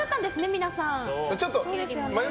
皆さん。